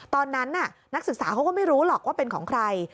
นักศึกษาเขาก็ไม่รู้หรอกว่าเป็นของใคร